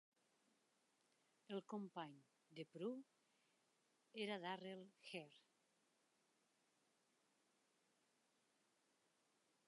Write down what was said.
El company de Prue era Darrell Hair.